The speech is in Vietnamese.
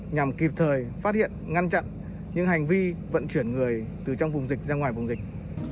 nhằm kịp thời phát hiện ngăn chặn những hành vi vận chuyển người từ trong vùng dịch ra ngoài vùng dịch